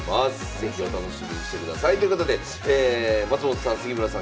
是非お楽しみにしてください。ということで松本さん杉村さん